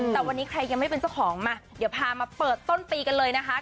แต่วันนี้ใครยังไม่เป็นเจ้าของมาเดี๋ยวพามาเปิดต้นปีกันเลยนะคะ